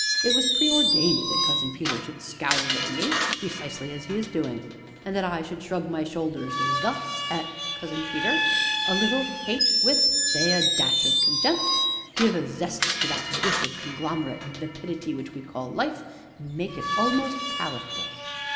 It was preordained that Cousin Peter should scowl at me (precisely as he is doing), and that I should shrug my shoulders, thus, at Cousin Peter a little hate with, say, a dash of contempt, give a zest to that dish of conglomerate vapidity which we call Life, and make it almost palatable.